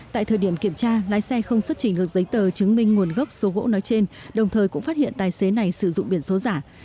tại thời điểm kiểm tra lái xe không xuất trình được giấy tờ chứng minh nguồn gốc số gỗ nói trên đồng thời cũng phát hiện tài xế này sử dụng biển số giả